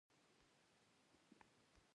زه خپلي ستونزي له پلار او استادانو سره شریکوم.